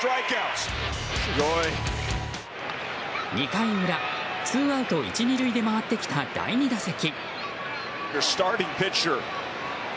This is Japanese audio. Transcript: ２回裏、ツーアウト１、２塁で回ってきた第２打席。